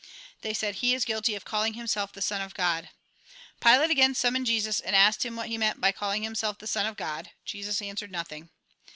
They said :" He is guilty of calling himself the Son of God." Pilate again summoned Jesus, and asked him what he meant by calHng himself the Son of God. Jesus answered nothing.